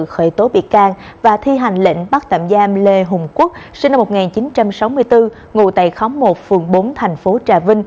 khởi tố bị can và thi hành lệnh bắt tạm giam lê hùng quốc sinh năm một nghìn chín trăm sáu mươi bốn